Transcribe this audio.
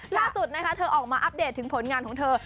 ล่าสุดนะคะเธอออกมาอัปเดตถึงผลงานของเธอ